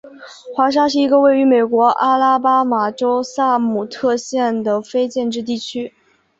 华沙是一个位于美国阿拉巴马州萨姆特县的非建制地区。